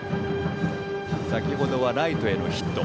先程はライトへのヒット。